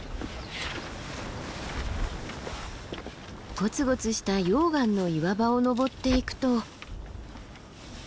ゴツゴツした溶岩の岩場を登っていくと。